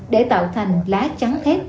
để tạo thành lá trắng thét